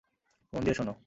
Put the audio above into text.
মন দিয়ে শোনো।